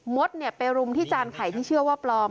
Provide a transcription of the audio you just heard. ดไปรุมที่จานไข่ที่เชื่อว่าปลอม